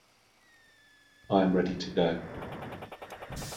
I am ready to go.